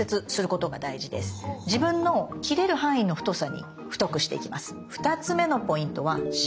自分の切れる範囲の太さに太くしていきます。